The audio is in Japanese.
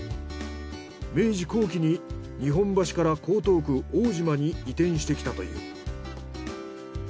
明治後期に日本橋から江東区大島に移転してきたという。